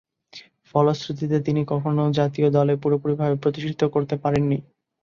ফলশ্রুতিতে, তিনি কখনো জাতীয় দলে পুরোপুরিভাবে প্রতিষ্ঠিত করতে পারেননি।